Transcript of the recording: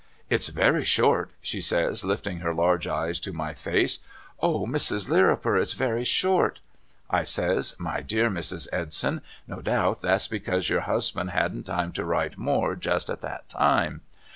' It's very short !' she says lifting her large eyes to my face. ' O Mrs. Lirriper it's very short !' I says ' My dear Mrs. Edson no doubt that's because your husband hadn't time to write more just at that time.'